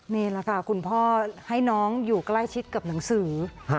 นี่แหละค่ะคุณพ่อให้น้องอยู่ใกล้ชิดกับหนังสือ